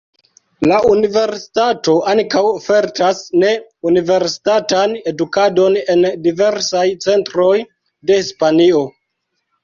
La universitato ankaŭ ofertas ne-universitatan edukadon en diversaj centroj de Hispanio.